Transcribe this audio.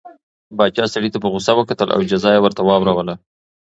پاچا سړي ته په غوسه وکتل او جزا یې ورته واوروله.